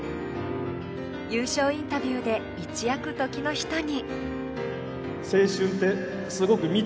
優勝インタビューで一躍時の人に。